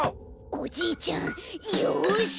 おじいちゃんよし！